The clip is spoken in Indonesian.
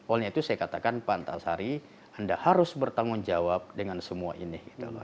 oleh itu saya katakan pak antasari anda harus bertanggung jawab dengan semua ini